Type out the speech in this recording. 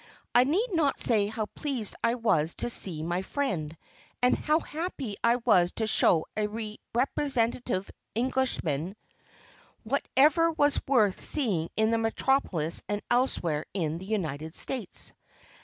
I need not say how pleased I was to see my friend, and how happy I was to show a representative Englishman whatever was worth seeing in the metropolis and elsewhere in the United States.